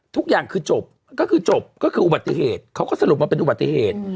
ทุกอย่างคือจบก็คือจบก็คืออุบัติเหตุเขาก็สรุปว่าเป็นอุบัติเหตุ